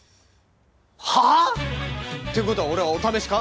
はあっ！？っていう事は俺はお試しか？